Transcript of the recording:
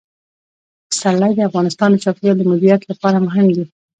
پسرلی د افغانستان د چاپیریال د مدیریت لپاره مهم دي.